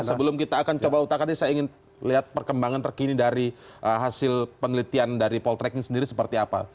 sebelum kita akan coba utakan ini saya ingin lihat perkembangan terkini dari hasil penelitian dari poltrek ini sendiri seperti apa